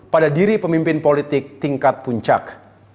pada diri pemimpin politik tingkat puncak